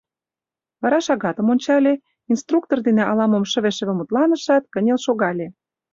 Вара шагатым ончале, инструктор дене ала-мом шыве-шыве мутланышат, кынел шогале.